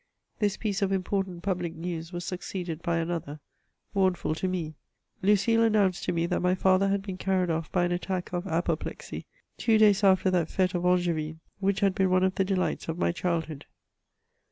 This piece of important public news was succeeded by another, mournful to me. Lucile announced to me that my father had been carried off by an attack of apoplexy, two days after that Fete of AngCTine, which had been one of the delights of my childhood.